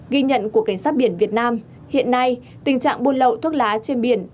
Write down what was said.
ghi nhận của cảnh sát biển việt nam hiện nay tình trạng buôn lậu thuốc lá trên biển